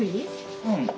うん。